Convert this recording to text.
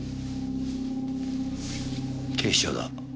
警視庁だ。